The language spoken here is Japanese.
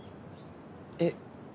えっ？